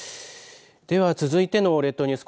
では続いての列島ニュース